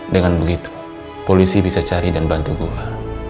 dengan begitu polisi bisa cari dan bantu gue